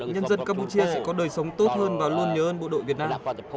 nhân dân campuchia sẽ có đời sống tốt hơn và luôn nhớ ơn bộ đội việt nam